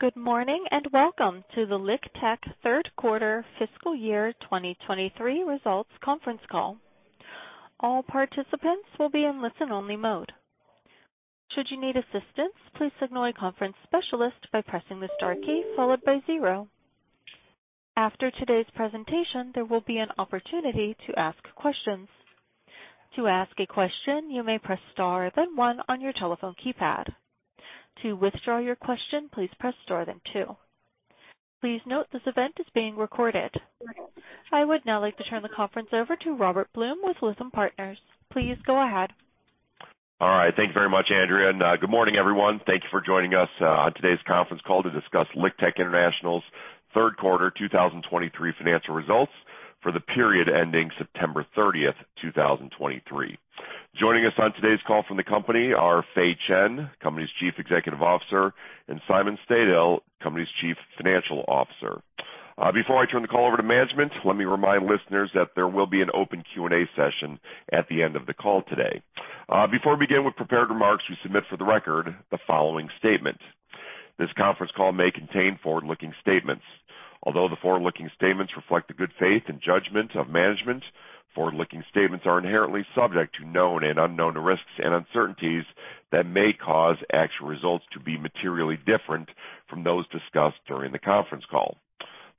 Good morning, and welcome to the LiqTech Third Quarter Fiscal Year 2023 Results Conference Call. All participants will be in listen-only mode. Should you need assistance, please signal a conference specialist by pressing the star key followed by zero. After today's presentation, there will be an opportunity to ask questions. To ask a question, you may press star, then one on your telephone keypad. To withdraw your question, please press star, then two. Please note, this event is being recorded. I would now like to turn the conference over to Robert Blum with Lytham Partners. Please go ahead. All right. Thank you very much, Andrea, and good morning, everyone. Thank you for joining us on today's conference call to discuss LiqTech International's Third Quarter 2023 Financial Results for the period ending September 30, 2023. Joining us on today's call from the company are Fei Chen, the company's Chief Executive Officer, and Simon Stadil, the company's Chief Financial Officer. Before I turn the call over to management, let me remind listeners that there will be an open Q&A session at the end of the call today. Before we begin with prepared remarks, we submit for the record the following statement. This conference call may contain forward-looking statements. Although the forward-looking statements reflect the good faith and judgment of management, forward-looking statements are inherently subject to known and unknown risks and uncertainties that may cause actual results to be materially different from those discussed during the conference call.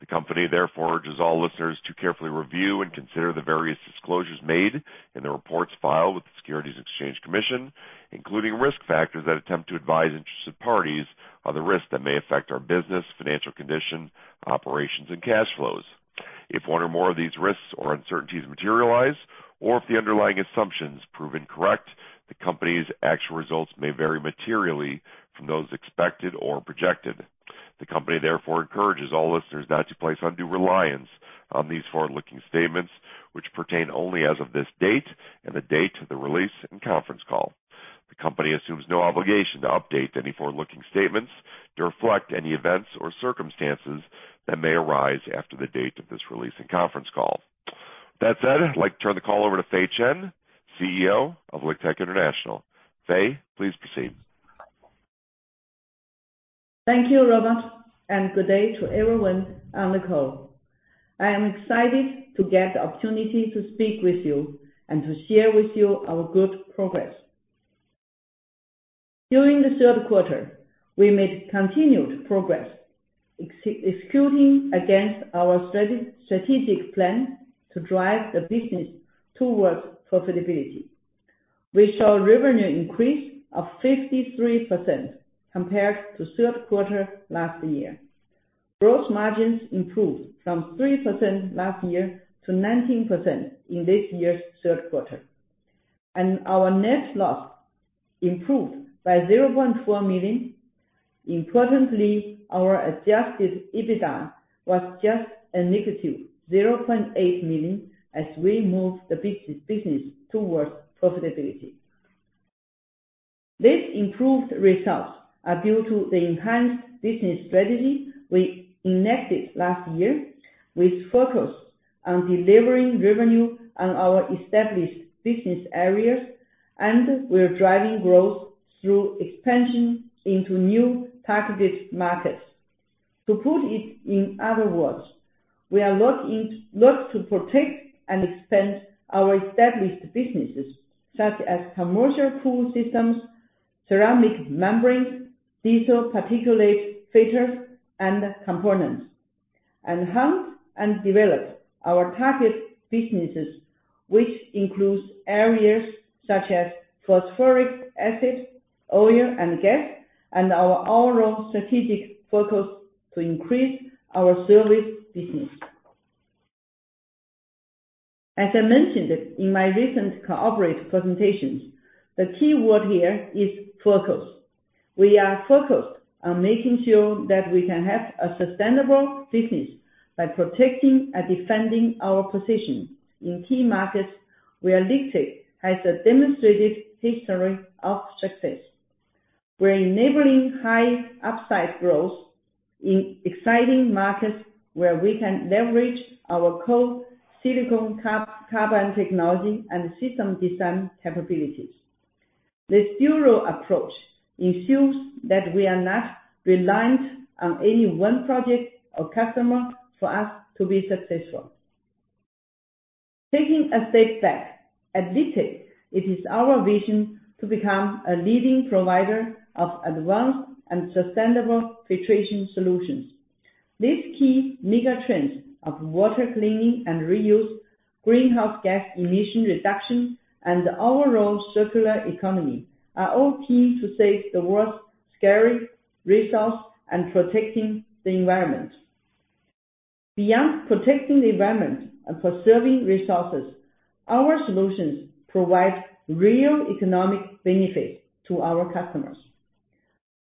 The company, therefore, urges all listeners to carefully review and consider the various disclosures made in the reports filed with the Securities and Exchange Commission, including risk factors that attempt to advise interested parties on the risks that may affect our business, financial condition, operations, and cash flows. If one or more of these risks or uncertainties materialize, or if the underlying assumptions prove incorrect, the company's actual results may vary materially from those expected or projected. The company therefore encourages all listeners not to place undue reliance on these forward-looking statements, which pertain only as of this date and the date of the release and conference call. The company assumes no obligation to update any forward-looking statements to reflect any events or circumstances that may arise after the date of this release and conference call. That said, I'd like to turn the call over to Fei Chen, CEO of LiqTech International. Fei, please proceed. Thank you, Robert, and good day to everyone on the call. I am excited to get the opportunity to speak with you and to share with you our good progress. During the third quarter, we made continued progress, executing against our strategic plan to drive the business towards profitability. We saw a revenue increase of 53% compared to the third quarter last year. Gross margins improved from 3% last year to 19% in this year's third quarter, and our net loss improved by $0.4 million. Importantly, our adjusted EBITDA was just -$0.8 million as we move the business towards profitability. These improved results are due to the enhanced business strategy we enacted last year, which focused on delivering revenue on our established business areas, and we're driving growth through expansion into new targeted markets. To put it in other words, we look to protect and expand our established businesses, such as commercial pool systems, ceramic membranes, diesel particulate filters and components, enhance and develop our target businesses, which include areas such as phosphoric acid, oil and gas, and our overall strategic focus to increase our service business. As I mentioned in my recent corporate presentations, the keyword here is focus. We are focused on making sure that we can have a sustainable business by protecting and defending our position in key markets, where LiqTech has a demonstrated history of success. We're enabling high upside growth in exciting markets, where we can leverage our core silicon carbide technology and system design capabilities. This dual approach ensures that we are not reliant on any one project or customer for us to be successful. Taking a step back, at LiqTech, it is our vision to become a leading provider of advanced and sustainable filtration solutions. These key mega trends of water cleaning and reuse, greenhouse gas emission reduction, and the overall circular economy are all key to saving the world's scarce resources and protecting the environment. Beyond protecting the environment and preserving resources, our solutions provide real economic benefits to our customers.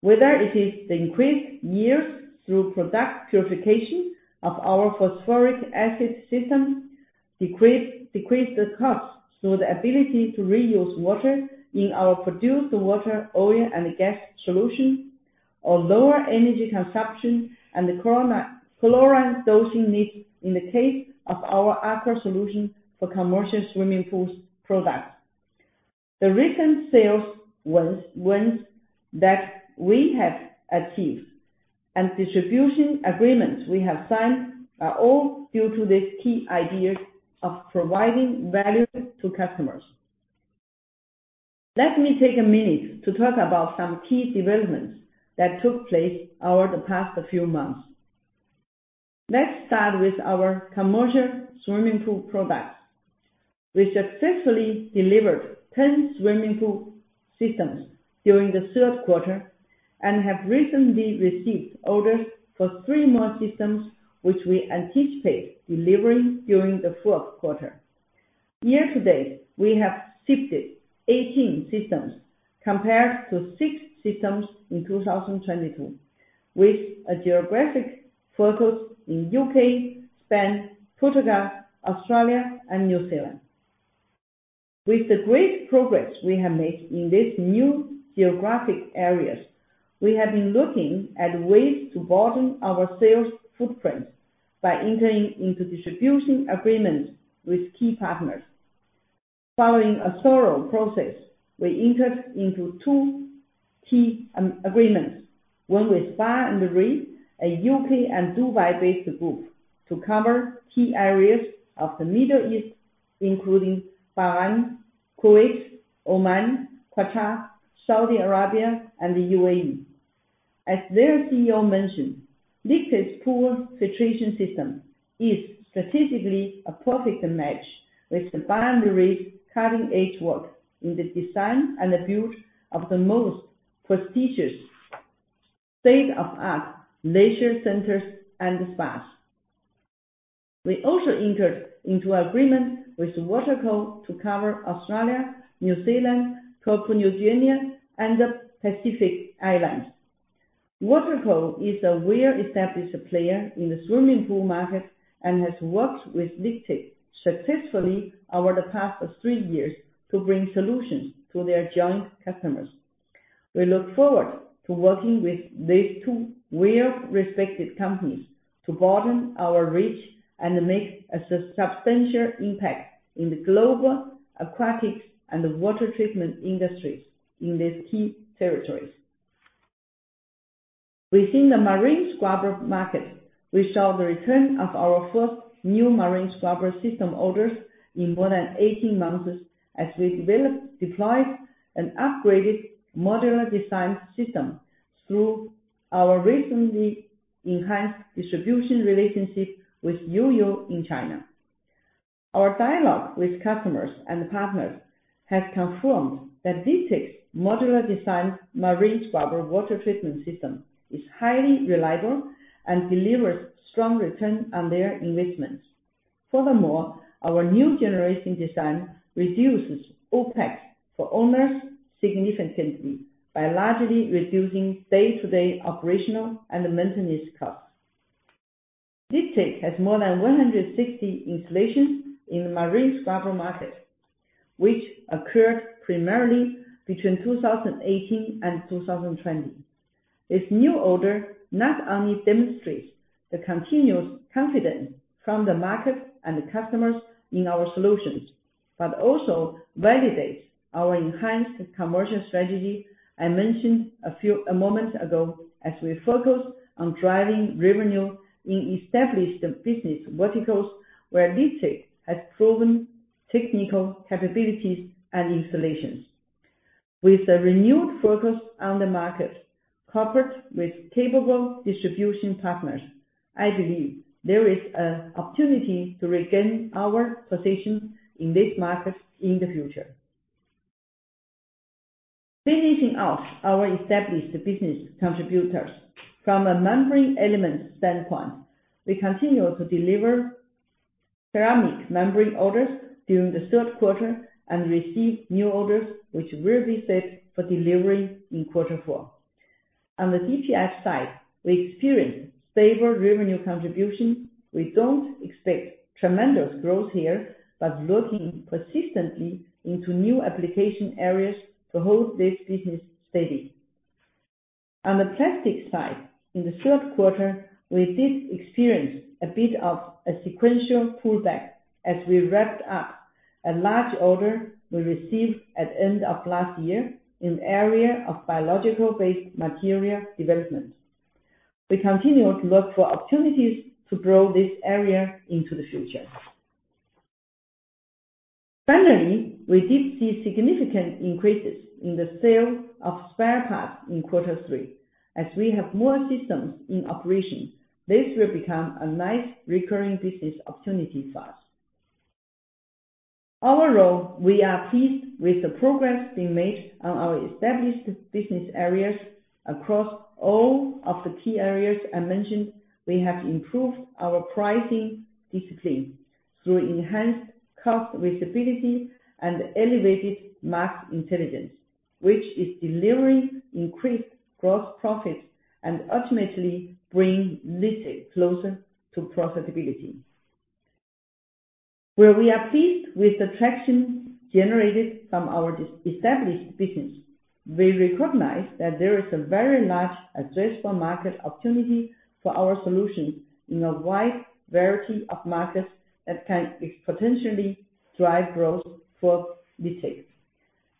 Whether it is the increased yields through product purification of our phosphoric acid system, decreasing the cost through the ability to reuse water in our produced water, oil and gas solution, or lower energy consumption and the chloramine-chlorine dosing needs in the case of our aqua solution for commercial swimming pools products. The recent sales wins that we have achieved and the distribution agreements we have signed are all due to this key idea of providing value to customers. Let me take a minute to talk about some key developments that took place over the past few months. Let's start with our commercial swimming pool products. We successfully delivered 10 swimming pool systems during the third quarter and have recently received orders for three more systems, which we anticipate delivering during the fourth quarter. Year to date, we have shipped 18 systems, compared to six systems in 2022, with a geographic focus in U.K., Spain, Portugal, Australia, and New Zealand. With the great progress we have made in these new geographic areas, we have been looking at ways to broaden our sales footprint by entering into distribution agreements with key partners. Following a thorough process, we entered into two key agreements. One with Spa & Reef, a U.K. and Dubai-based group, to cover key areas of the Middle East, including Bahrain, Kuwait, Oman, Qatar, Saudi Arabia, and the UAE. As their CEO mentioned, LiqTech's pool filtration system is strategically a perfect match with the Spa & Reef's cutting-edge work in the design and the build of the most prestigious state-of-the-art leisure centers and spas. We also entered into an agreement with Waterco to cover Australia, New Zealand, Papua New Guinea, and the Pacific Islands. Waterco is a well-established player in the swimming pool market, and has worked with LiqTech successfully over the past three years to bring solutions to their joint customers. We look forward to working with these two well-respected companies to broaden our reach and make a substantial impact in the global aquatics and the water treatment industries in these key territories. Within the marine scrubber market, we saw the return of our first new marine scrubber system orders in more than 18 months, as we developed, deployed, and upgraded modular design system through our recently enhanced distribution relationship with Joyo in China. Our dialogue with customers and partners has confirmed that LiqTech's modular design marine scrubber water treatment system is highly reliable and delivers strong return on their investments. Furthermore, our new generation design reduces OpEx for owners significantly by largely reducing day-to-day operational and maintenance costs. LiqTech has more than 160 installations in the marine scrubber market, which occurred primarily between 2018 and 2020. This new order not only demonstrates the continuous confidence from the market and the customers in our solutions, but also validates our enhanced commercial strategy I mentioned a few moments ago, as we focus on driving revenue in established business verticals, where LiqTech has proven technical capabilities and installations. With a renewed focus on the market, coupled with capable distribution partners, I believe there is an opportunity to regain our position in this market in the future. Finishing off our established business contributors. From a membrane elements standpoint, we continue to deliver ceramic membrane orders during the third quarter, and receive new orders, which will be set for delivery in quarter four. On the DPF side, we experienced stable revenue contribution. We don't expect tremendous growth here, but looking persistently into new application areas to hold this business steady. On the plastic side, in the third quarter, we did experience a bit of a sequential pullback as we wrapped up a large order we received at end of last year in the area of biological-based material development. We continue to look for opportunities to grow this area into the future. Finally, we did see significant increases in the sale of spare parts in quarter three. As we have more systems in operation, this will become a nice recurring business opportunity for us. Overall, we are pleased with the progress being made on our established business areas. Across all of the key areas I mentioned, we have improved our pricing discipline through enhanced cost visibility and elevated mass intelligence, which is delivering increased gross profit and ultimately bring LiqTech closer to profitability. We are pleased with the traction generated from our established business. We recognize that there is a very large addressable market opportunity for our solutions in a wide variety of markets that can potentially drive growth for LiqTech.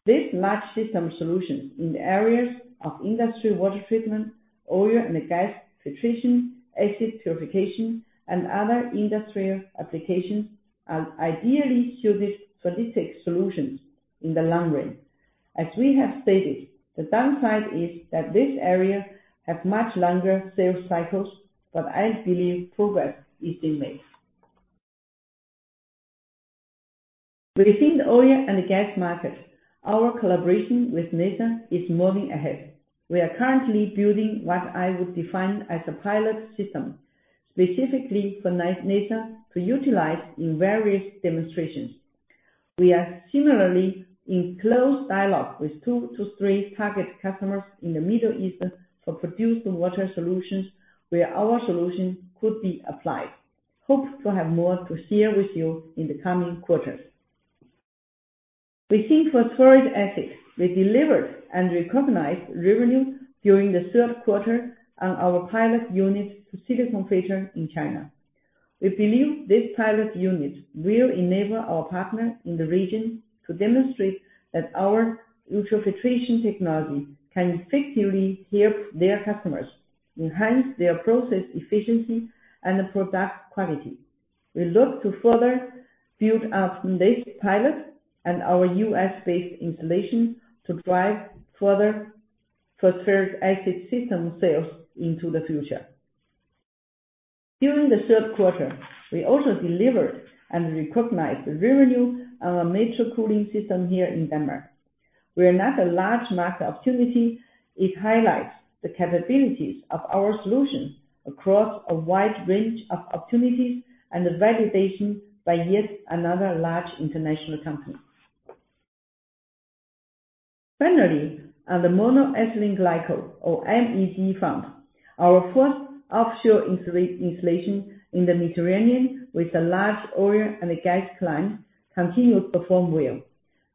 These large system solutions in the areas of industrial water treatment, oil and gas filtration, acid purification, and other industrial applications, are ideally suited for LiqTech solutions in the long run. As we have stated, the downside is that this area has much longer sales cycles, but I believe progress is being made. Within the oil and gas market, our collaboration with NASA is moving ahead. We are currently building what I would define as a pilot system, specifically for NASA to utilize in various demonstrations. We are similarly in close dialogue with 2-3 target customers in the Middle East for produced water solutions, where our solutions could be applied. Hope to have more to share with you in the coming quarters. We think for phosphoric acid, we delivered and recognized revenue during the third quarter on our pilot unit to Silicon Feature in China. We believe this pilot unit will enable our partner in the region to demonstrate that our ultrafiltration technology can effectively help their customers enhance their process efficiency and product quality. We look to further build on this pilot and our U.S.-based installation to drive further phosphoric acid system sales into the future. During the third quarter, we also delivered and recognized the revenue on our metro cooling system here in Denmark, where not a large market opportunity, it highlights the capabilities of our solutions across a wide range of opportunities and the validation by yet another large international company. Finally, on the monoethylene glycol or MEG front, our first offshore installation in the Mediterranean with a large oil and gas client, continues to perform well.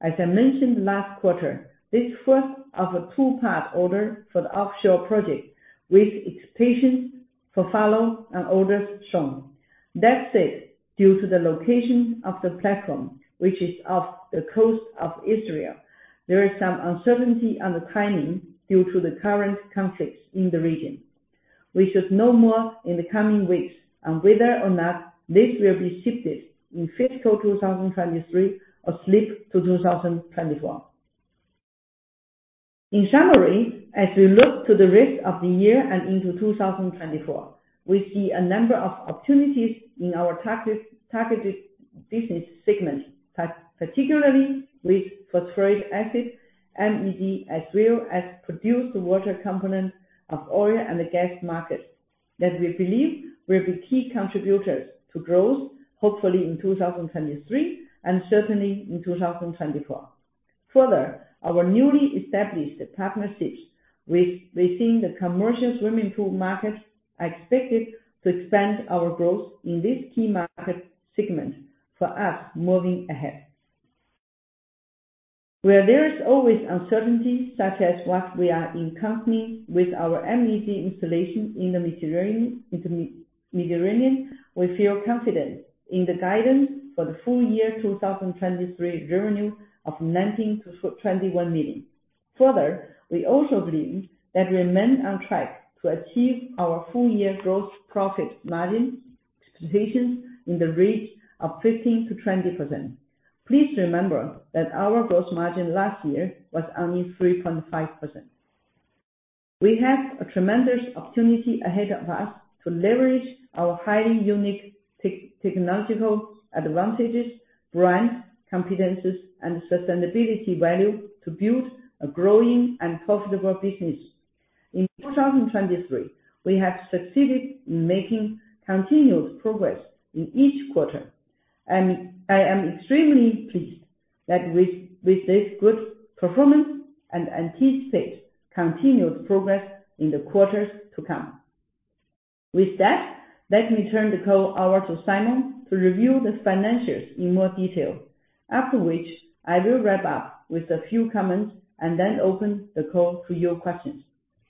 As I mentioned last quarter, this first of a two-part order for the offshore project, with expectations for follow-on orders shown. That said, due to the location of the platform, which is off the coast of Israel, there is some uncertainty on the timing due to the current conflicts in the region. We should know more in the coming weeks on whether or not this will be shifted in fiscal 2023 or slip to 2024. In summary, as we look to the rest of the year and into 2024, we see a number of opportunities in our targeted business segments, particularly with phosphoric acid, MEG, as well as produced water component of oil and gas market, that we believe will be key contributors to growth, hopefully in 2023, and certainly in 2024. Further, our newly established partnerships within the commercial swimming pool market, are expected to expand our growth in this key market segment for us moving ahead. Where there is always uncertainty, such as what we are encountering with our MEG installation in the Mediterranean, we feel confident in the guidance for the full year 2023 revenue of $19 million-$21 million. Further, we also believe that we remain on track to achieve our full-year gross profit margin expectations in the range of 15%-20%. Please remember that our gross margin last year was only 3.5%. We have a tremendous opportunity ahead of us to leverage our highly unique technological advantages, brand competencies, and sustainability value, to build a growing and profitable business. In 2023, we have succeeded in making continuous progress in each quarter, and I am extremely pleased that with this good performance and anticipate continued progress in the quarters to come. With that, let me turn the call over to Simon to review the financials in more detail. After which, I will wrap up with a few comments, and then open the call to your questions.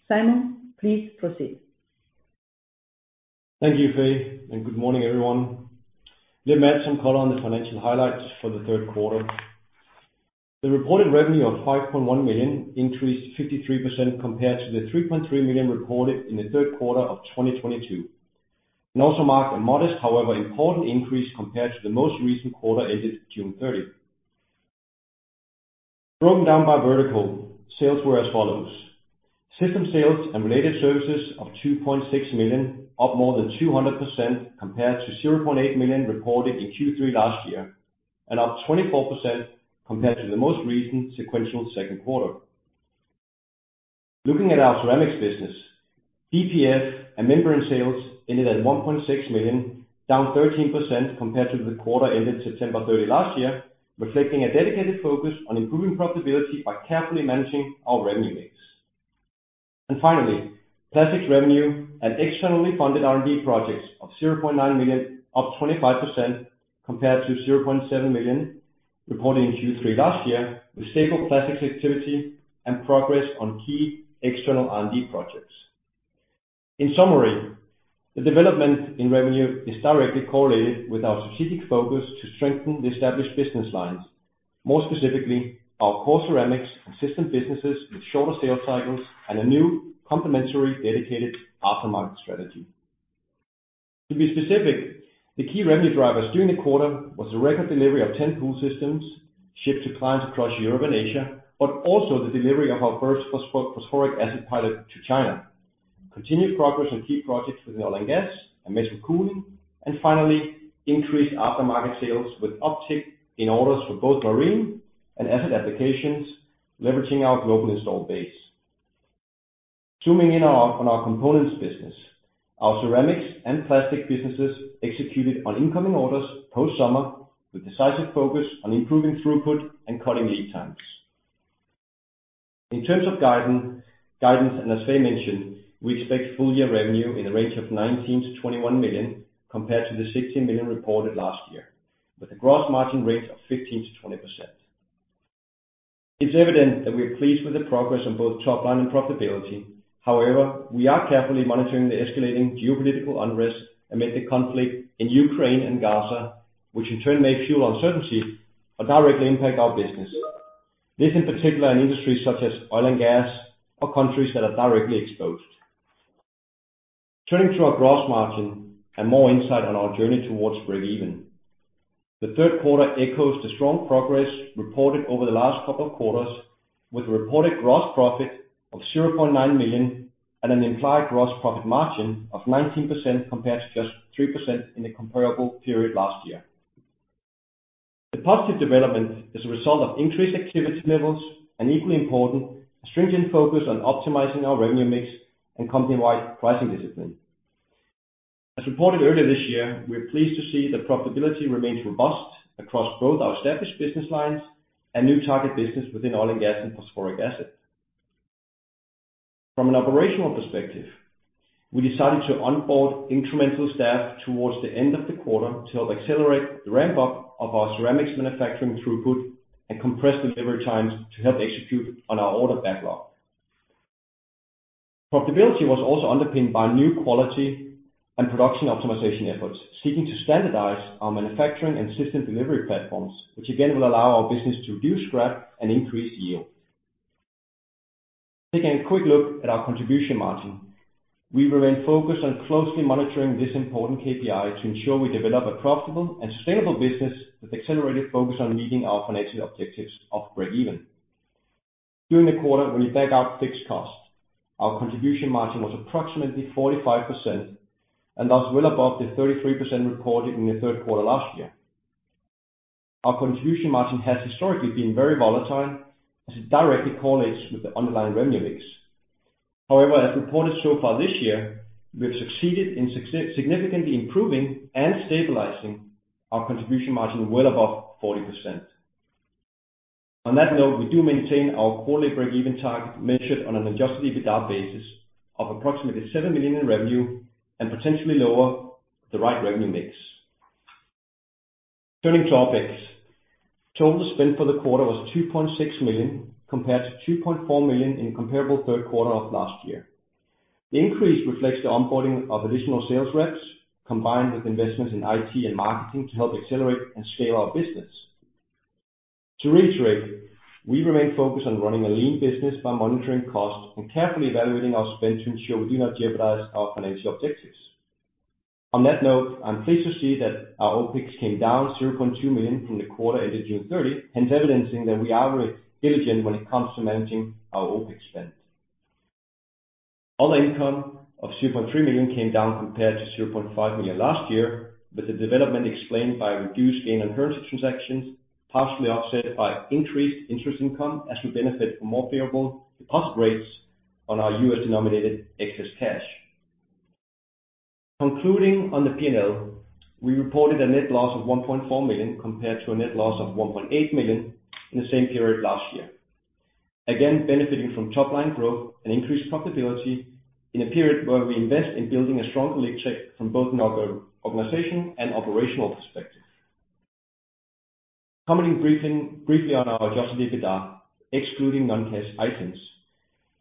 Simon, please proceed. Thank you, Fei, and good morning, everyone. Let me add some color on the financial highlights for the third quarter. The reported revenue of $5.1 million increased 53% compared to the $3.3 million reported in the third quarter of 2022, and also marked a modest, however, important increase compared to the most recent quarter ended June 30. Broken down by vertical, sales were as follows: system sales and related services of $2.6 million, up more than 200% compared to $0.8 million reported in Q3 last year, and up 24% compared to the most recent sequential second quarter. Looking at our ceramics business, DPF and membrane sales ended at $1.6 million, down 13% compared to the quarter ended September 30 last year, reflecting a dedicated focus on improving profitability by carefully managing our revenue mix. And finally, plastics revenue and externally funded R&D projects of $0.9 million, up 25% compared to $0.7 million, reported in Q3 last year, with stable plastics activity and progress on key external R&D projects. In summary, the development in revenue is directly correlated with our strategic focus to strengthen the established business lines. More specifically, our core ceramics and system businesses with shorter sales cycles and a new complementary, dedicated aftermarket strategy. To be specific, the key revenue drivers during the quarter was a record delivery of 10 pool systems shipped to clients across Europe and Asia, but also the delivery of our first phosphoric acid pilot to China. Continued progress on key projects within oil and gas and metro cooling, and finally, increased aftermarket sales with uptick in orders for both marine and asset applications, leveraging our global installed base. Zooming in on our components business, our ceramics and plastic businesses executed on incoming orders post-summer, with decisive focus on improving throughput and cutting lead times. In terms of guidance, and as Fei mentioned, we expect full-year revenue in the range of $19 million-$21 million, compared to the $16 million reported last year, with a gross margin rate of 15%-20%. It's evident that we are pleased with the progress on both top line and profitability. However, we are carefully monitoring the escalating geopolitical unrest amid the conflict in Ukraine and Gaza, which in turn may fuel uncertainty or directly impact our business. This, in particular, in industries such as oil and gas, or countries that are directly exposed. Turning to our gross margin and more insight on our journey towards breakeven. The third quarter echoes the strong progress reported over the last couple of quarters, with a reported gross profit of $0.9 million and an implied gross profit margin of 19%, compared to just 3% in the comparable period last year. The positive development is a result of increased activity levels and equally important, a stringent focus on optimizing our revenue mix and company-wide pricing discipline. As reported earlier this year, we are pleased to see that profitability remains robust across both our established business lines and new target business within oil and gas and phosphoric acid. From an operational perspective, we decided to onboard incremental staff towards the end of the quarter to help accelerate the ramp-up of our ceramics manufacturing throughput and compress delivery times to help execute on our order backlog. Profitability was also underpinned by new quality and production optimization efforts, seeking to standardize our manufacturing and system delivery platforms, which again, will allow our business to reduce scrap and increase yield. Taking a quick look at our contribution margin, we remain focused on closely monitoring this important KPI to ensure we develop a profitable and sustainable business, with accelerated focus on meeting our financial objectives of breakeven. During the quarter, when we back out fixed costs, our contribution margin was approximately 45%, and thus well above the 33% recorded in the third quarter last year. Our contribution margin has historically been very volatile, as it directly correlates with the underlying revenue mix. However, as reported so far this year, we have succeeded in significantly improving and stabilizing our contribution margin well above 40%. On that note, we do maintain our quarterly breakeven target, measured on an adjusted EBITDA basis of approximately $7 million in revenue and potentially lower the right revenue mix. Turning to OpEx, total spend for the quarter was $2.6 million, compared to $2.4 million in comparable third quarter of last year. The increase reflects the onboarding of additional sales reps, combined with investments in IT and marketing to help accelerate and scale our business. To reiterate, we remain focused on running a lean business by monitoring costs and carefully evaluating our spend to ensure we do not jeopardize our financial objectives. On that note, I'm pleased to see that our OpEx came down $0.2 million from the quarter ended June 30, hence evidencing that we are very diligent when it comes to managing our OpEx spend. Other income of $0.3 million came down compared to $0.5 million last year, with the development explained by a reduced gain on currency transactions, partially offset by increased interest income, as we benefit from more favorable deposit rates on our U.S.-denominated excess cash. Concluding on the P&L, we reported a net loss of $1.4 million, compared to a net loss of $1.8 million in the same period last year. Again, benefiting from top-line growth and increased profitability in a period where we invest in building a strong foundation from both an organization and operational perspective. Commenting briefly on our adjusted EBITDA, excluding non-cash items,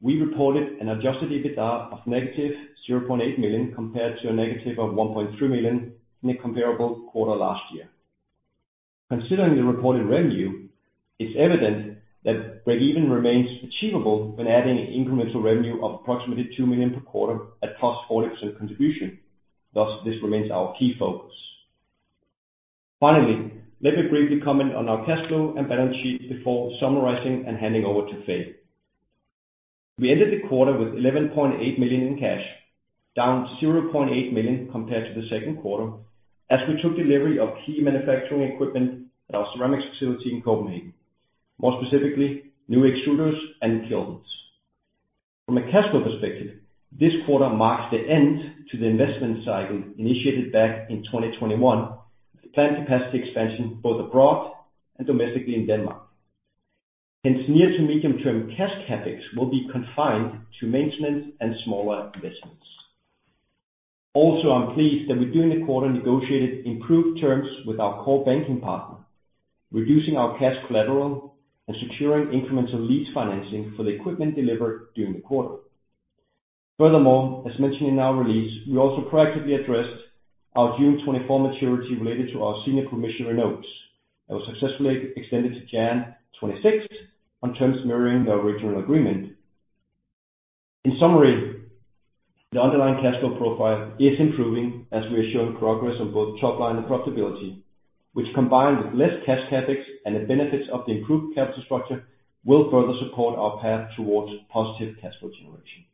we reported an adjusted EBITDA of -$0.8 million, compared to a negative of $1.3 million in the comparable quarter last year. Considering the reported revenue, it's evident that breakeven remains achievable when adding incremental revenue of approximately $2 million per quarter at +40% contribution. Thus, this remains our key focus. Finally, let me briefly comment on our cash flow and balance sheet before summarizing and handing over to Fei. We ended the quarter with $11.8 million in cash, down $0.8 million compared to the second quarter, as we took delivery of key manufacturing equipment at our ceramics facility in Copenhagen, more specifically, new extruders and kilns. From a cash flow perspective, this quarter marks the end to the investment cycle initiated back in 2021. The plant capacity expansion both abroad and domestically in Denmark. Hence, near- to medium-term cash CapEx will be confined to maintenance and smaller investments. Also, I'm pleased that we, during the quarter, negotiated improved terms with our core banking partner, reducing our cash collateral and securing incremental lease financing for the equipment delivered during the quarter. Furthermore, as mentioned in our release, we also proactively addressed our June 2024 maturity related to our senior commissioner notes. That was successfully extended to January 2026, on terms mirroring the original agreement. In summary, the underlying cash flow profile is improving as we are showing progress on both top line and profitability, which combined with less cash CapEx and the benefits of the improved capital structure, will further support our path towards positive cash flow generation.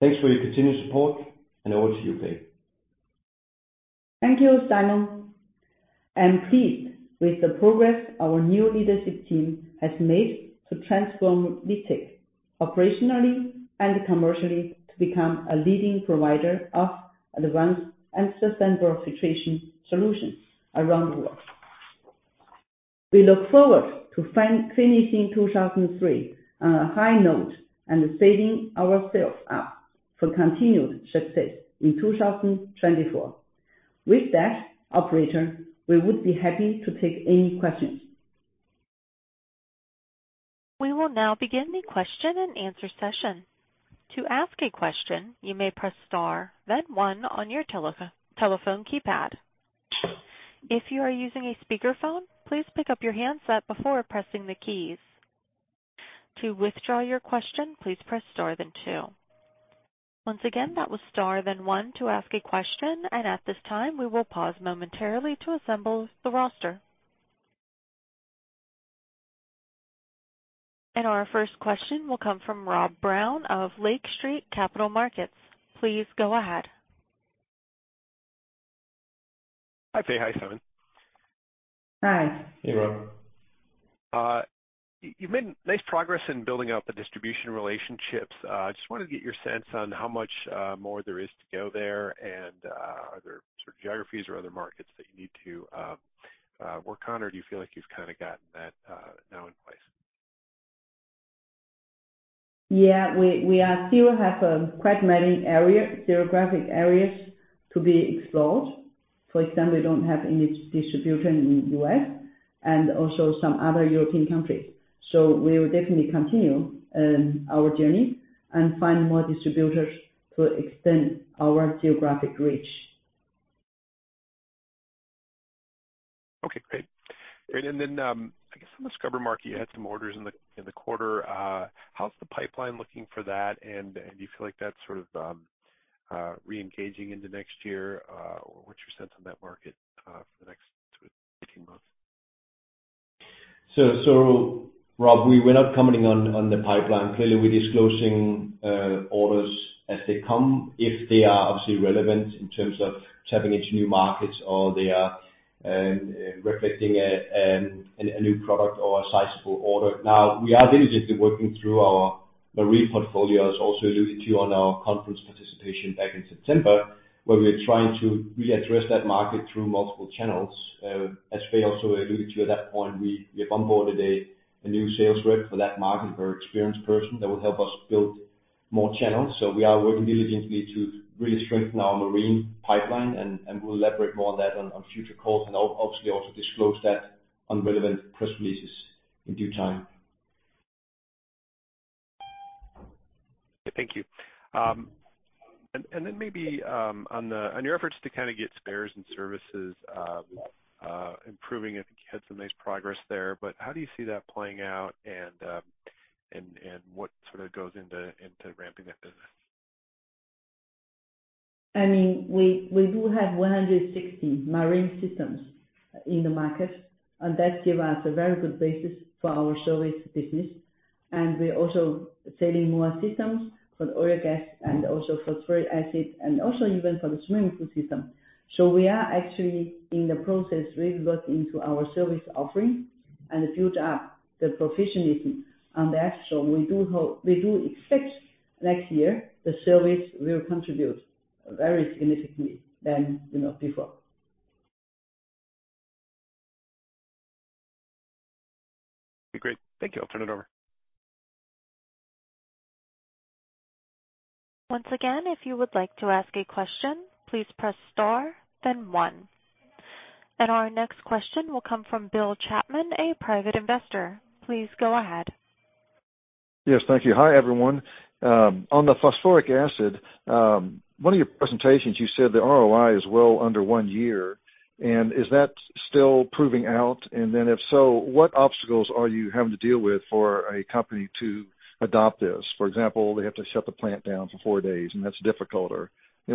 Thanks for your continued support, and over to you, Fei. Thank you, Simon. I'm pleased with the progress our new leadership team has made to transform LiqTech operationally and commercially to become a leading provider of advanced and sustainable filtration solutions around the world. We look forward to finishing 2023 on a high note and setting ourselves up for continued success in 2024. With that, operator, we would be happy to take any questions. We will now begin the question-and-answer session. To ask a question, you may press star then one on your telephone keypad. If you are using a speakerphone, please pick up your handset before pressing the keys. To withdraw your question, please press star then two. Once again, that was star, then one to ask a question, and at this time, we will pause momentarily to assemble the roster. And our first question will come from Rob Brown of Lake Street Capital Markets. Please go ahead. Hi, Fei. Hi, Simon. Hi. Hey, Rob. You've made nice progress in building out the distribution relationships. Just wanted to get your sense on how much more there is to go there, and are there certain geographies or other markets that you need to work on, or do you feel like you've kind of gotten that now in place? Yeah, we still have quite many areas, geographic areas to be explored. For example, we don't have any distribution in the U.S. and also some other European countries. So we will definitely continue our journey and find more distributors to extend our geographic reach. Okay, great. And then, I guess, on the scrubber market, you had some orders in the quarter. How's the pipeline looking for that? And, do you feel like that's sort of re-engaging into next year? Or what's your sense on that market, for the next sort of 18 months? So, Rob, we're not commenting on the pipeline. Clearly, we're disclosing orders as they come, if they are obviously relevant in terms of tapping into new markets or they are reflecting a new product or a sizable order. Now, we are diligently working through our marine portfolios, also alluded to on our conference participation back in September, where we're trying to readdress that market through multiple channels. As Fei also alluded to at that point, we have onboarded a new sales rep for that market, a very experienced person who will help us build more channels. So we are working diligently to really strengthen our marine pipeline, and we'll elaborate more on that on future calls and obviously also disclose that on relevant press releases in due time. Thank you. And then maybe on your efforts to kind of get spares and services improving, I think you had some nice progress there, but how do you see that playing out? And what sort of goes into ramping that business? I mean, we do have 160 marine systems in the market, and that gives us a very good basis for our service business. And we're also selling more systems for the oil and gas phosphoric acid, and also for the swimming pool system. So we are actually in the process, really looking into our service offerings and build up the professionalism on that. So we do hope, we do expect next year, the service will contribute very significantly than before. Great. Thank you. I'll turn it over. Once again, if you would like to ask a question, please press star, then one. Our next question will come from Bill Chapman, a private investor. Please go ahead. Yes, thank you. Hi, everyone. On the phosphoric acid, one of your presentations, you said the ROI is well under one year, and is that still proving out? And then if so, what obstacles are you having to deal with for a company to adopt this? For example, they have to shut the plant down for four days, and that's difficult.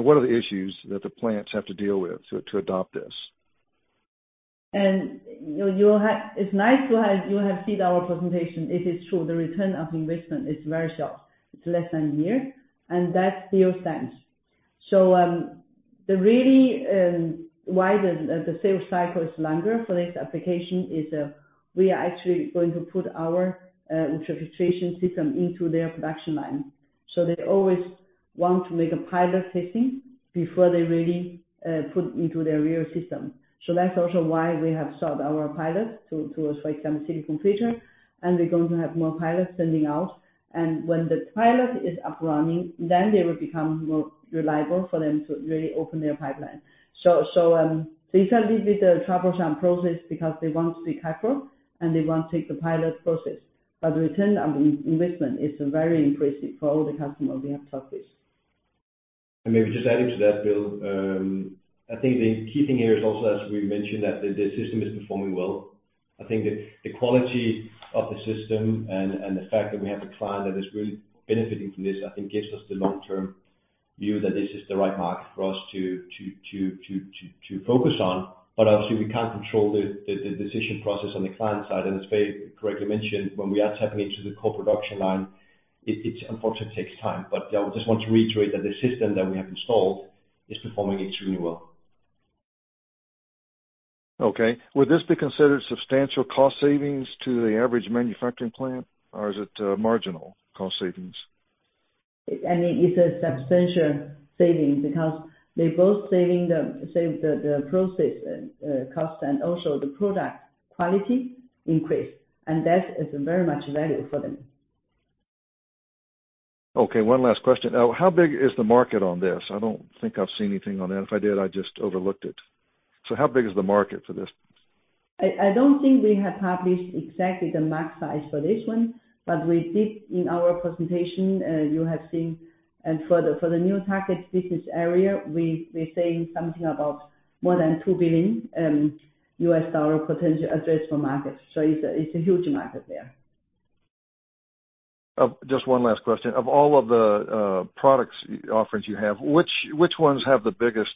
What are the issues that the plants have to deal with to adopt this? It's nice that you have seen our presentation. It is true that the return on investment is very short. It's less than a year, and that still stands. So, really, why the sales cycle is longer for this application is that we are actually going to put our ultrafiltration system into their production line. So they always want to make a pilot test before they really put into their real system. So that's also why we have sent our pilot to, for example, Silicon Feature, and we're going to have more pilots sending out. And when the pilot is up and running, then they will become more reliable for them to really open their pipeline. They certainly with the troublesome process because they want to see capital and they want to take the pilot process, but the return on investment is very impressive for all the customers we have talked with. Maybe just adding to that, Bill, I think the key thing here is also, as we mentioned, that the system is performing well. I think the quality of the system and the fact that we have a client that is really benefiting from this, I think gives us the long-term view that this is the right market for us to focus on. But obviously we can't control the decision process on the client side. And as Fei correctly mentioned, when we are tapping into the co-production line, it unfortunately takes time. But yeah, I just want to reiterate that the system that we have installed is performing extremely well. Okay. Would this be considered substantial cost savings to the average manufacturing plant, or is it marginal cost savings? I mean, it's a substantial saving because they're both saving the process cost and also the product quality increase, and that is very much value for them. Okay, one last question. How big is the market on this? I don't think I've seen anything on that. If I did, I just overlooked it. So how big is the market for this? I don't think we have published exactly the max size for this one, but we did in our presentation, you have seen. And for the new target business area, we're saying something about more than $2 billion potential addressable market. So it's a huge market there. Just one last question. Of all of the, products offerings you have, which ones have the biggest,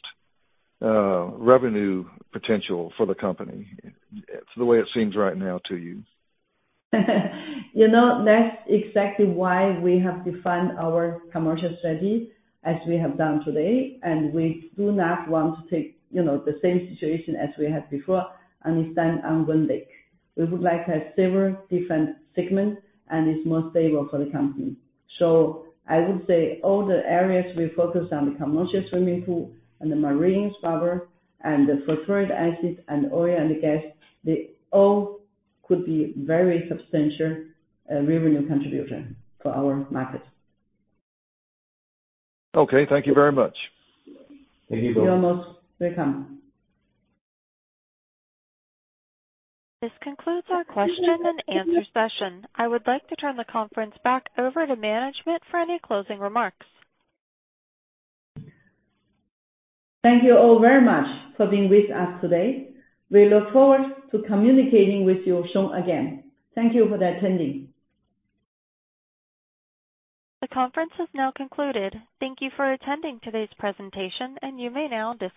revenue potential for the company, the way it seems right now to you? That's exactly why we have defined our commercial strategy as we have done today, and we do not want to take the same situation as we had before and stand on one leg. We would like to have several different segments, and it's more stable for the company. So I would say all the areas we focus on, the commercial swimming pool and the marine scrubber and the sulfuric acid and oil and gas, they all could be very substantial revenue contribution for our market. Okay, thank you very much. Thank you, Bill. You're most welcome. This concludes our question-and-answer session. I would like to turn the conference back over to management for any closing remarks. Thank you all very much for being with us today. We look forward to communicating with you soon again. Thank you for attending. The conference is now concluded. Thank you for attending today's presentation, and you may now disconnect.